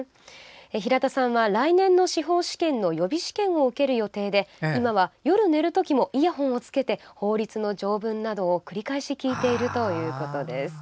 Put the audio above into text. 平田さんは来年の司法試験の予備試験を受ける予定で今は夜寝る時もイヤホンをつけて法律の条文などを繰り返し聞いているということです。